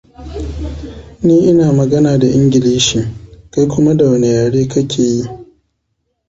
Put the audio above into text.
Ni ina magana da Ingilishi, kai kuma da wane yare ka ke yi?